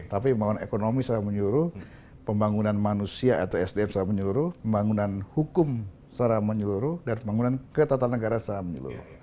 tapi pembangunan ekonomi secara menyeluruh pembangunan manusia atau sdm secara menyeluruh pembangunan hukum secara menyeluruh dan pembangunan ketatanegaraan secara menyeluruh